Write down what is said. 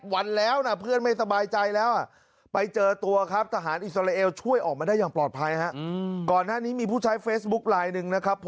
ว่าในที่สุดเขาปลอดภัยครับ